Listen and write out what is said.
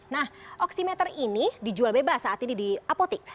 nah oksimeter ini dijual bebas saat ini di apotik